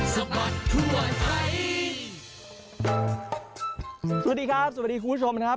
สวัสดีครับสวัสดีคุณผู้ชมนะครับ